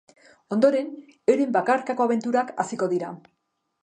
Ondoren, euren bakarkako abenturak hasiko dira.